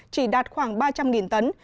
chỉ đạt khoảng ba trăm linh tấn